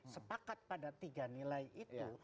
sepakat pada tiga nilai itu